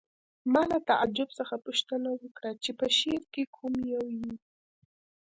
ما له تعجب څخه پوښتنه وکړه چې په شعر کې کوم یو یې